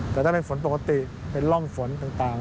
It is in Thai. แต่ถ้าเป็นฝนปกติเป็นร่องฝนต่าง